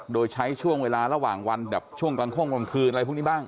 โดยใช้ช่วงเวลาระหว่างวันแบบช่วงกลางโค้งกลางคืนอะไรพวกนี้บ้าง